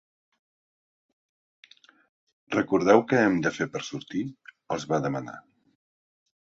Recordeu què hem de fer per sortir? —els va demanar.